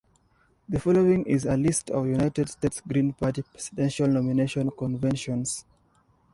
The following is a list of United States Green Party Presidential nominating conventions.